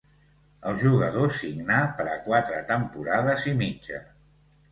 El jugador signà per a quatre temporades i mitja.